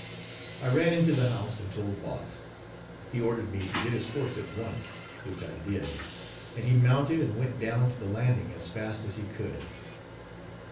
I ran into the house and told Boss. He ordered me to get his horse at once, which I did; and he mounted and went down to the landing as fast as he could.